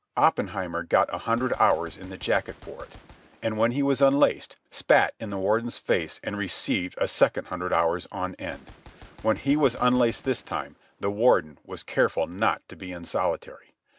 Oppenheimer got a hundred hours in the jacket for it, and, when he was unlaced, spat in the Warden's face and received a second hundred hours on end. When he was unlaced this time, the Warden was careful not to be in solitary.